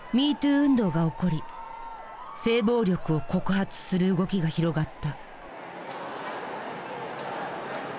運動が起こり「性暴力を告発する」動きが広がった。